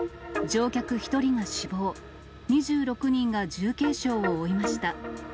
乗客１人が死亡、２６人が重軽傷を負いました。